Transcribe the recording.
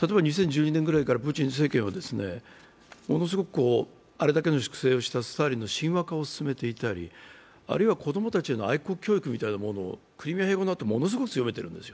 例えば２０１２年ぐらいからプーチン政権はものすごくあれだけの粛清をしたスターリンの神話化を進めていたり、あるいは子供たちの愛国教育をクリミア併合のあとものすごい強めているんです。